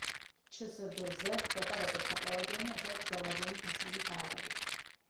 ჩსბ–ზე ხდება როგორც მოკლევადიანი ასევე გრძელვადიანი ფასიანი ქაღალდებით.